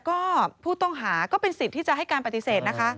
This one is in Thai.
ก็ผู้ต้องหาก็เป็นสิทธิ์ที่จะให้การปฏิเสธนะคะ